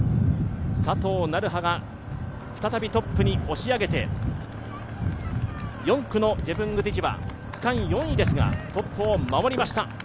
佐藤成葉が再びトップに押し上げて４区のジェプングティチはトップを守りました。